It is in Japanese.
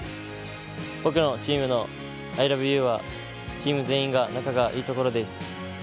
僕のチームのアイラブユーはチーム全員が仲がいいところです。